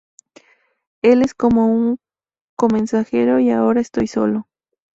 Él es como un co-mensajero y ahora estoy solo".